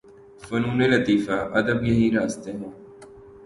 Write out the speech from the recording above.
فنون لطیفہ، ادب یہی راستے ہیں۔